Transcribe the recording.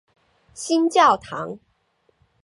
新教堂。